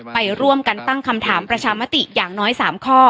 ไปร่วมกันตั้งคำถามประชามติอย่างน้อย๓ข้อ